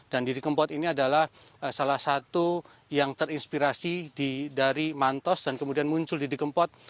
dan didi kempot ini adalah salah satu yang terinspirasi dari mantos dan kemudian muncul didi kempot